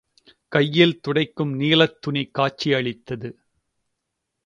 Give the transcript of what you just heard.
கையில் துடைக்கும் நீலத் துணி காட்சியளித்தது.